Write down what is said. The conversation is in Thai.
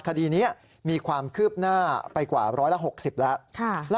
คดีนี้มีความคืบหน้าไปกว่า๑๖๐แล้ว